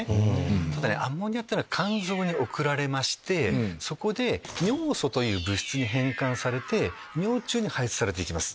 ただアンモニアっていうのは肝臓に送られましてそこで尿素という物質に変換されて尿中に排せつされていきます。